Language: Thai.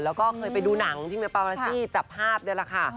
แล้วก็เคยไปดูหนังที่เมปามาซี่จับภาพนี่แหละค่ะ